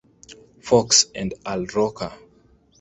Fox and Al Roker.